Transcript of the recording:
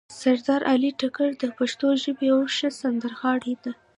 سردار علي ټکر د پښتو ژبې یو ښه سندرغاړی ده